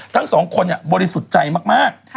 ทั้งสองคนบริสุทธิ์ใจมาก